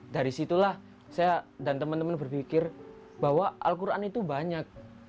dari situlah saya dan teman teman berpikir bahwa al quran itu banyak